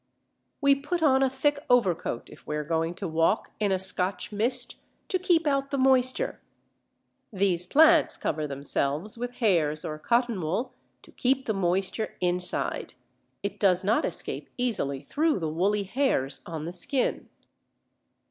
We put on a thick overcoat if we are going to walk in a Scotch mist, to keep out the moisture. These plants cover themselves with hairs or cottonwool to keep the moisture inside. It does not escape easily through the woolly hairs on the skin.